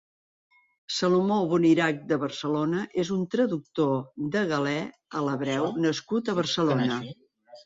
Salomó Bonirac de Barcelona és un traductor de Galè a l'hebreu nascut a Barcelona.